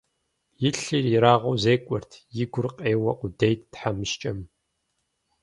И лъыр ерагъыу зекӀуэрт, и гур къеуэ къудейт тхьэмыщкӀэм.